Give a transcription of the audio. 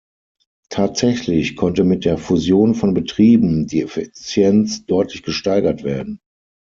Tatsächlich konnte mit der Fusion von Betrieben die Effizienz deutlich gesteigert werden.